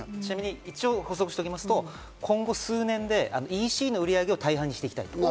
一応補足しておきますと、今後数年でＥＣの売り上げを大半にしていきたいと。